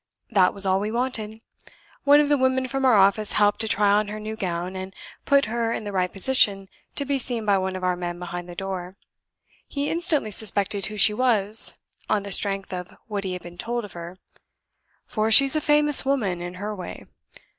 That was all we wanted. One of the women from our office helped to try on her new gown, and put her in the right position to be seen by one of our men behind the door. He instantly suspected who she was, on the strength of what he had been told of her; for she's a famous woman in her way.